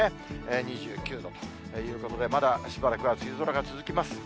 ２９度ということで、まだ、しばらくは梅雨空が続きます。